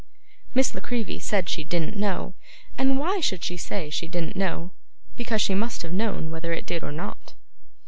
Miss La Creevy said she didn't know. And why should she say she didn't know? Because she must have known whether it did or not.